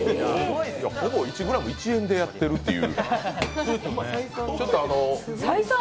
ほぼ１ｇ、１円でやっているという。